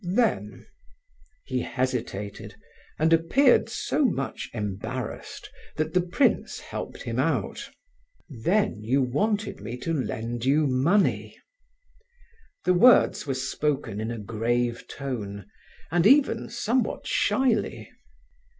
then..." He hesitated, and appeared so much embarrassed that the prince helped him out. "Then you wanted me to lend you money?" The words were spoken in a grave tone, and even somewhat shyly.